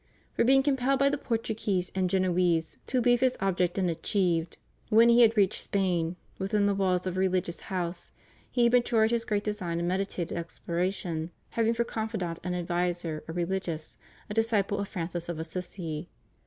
For being compelled by the Portuguese and Genoese '^ leave his object unachieved, when he had THE COLUMBUS TERCENTENARY. 269 reached Spain, within the walls of a reKgious house he matured his great design of meditated exploration, hav ing for confidant and adviser a rehgious — a disciple of Francis of Assisi.